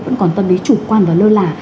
vẫn còn tâm lý chủ quan và lơ là